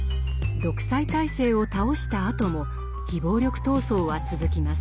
独裁体制を倒したあとも非暴力闘争は続きます。